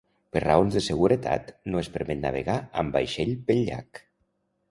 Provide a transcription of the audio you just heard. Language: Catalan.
Per raons de seguretat, no es permet navegar amb vaixell pel llac.